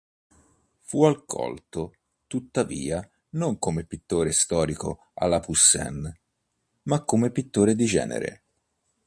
Fu accolto, tuttavia non come pittore storico "alla Poussin", ma come pittore di genere.